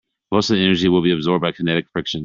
Most of the energy will be absorbed by kinetic friction.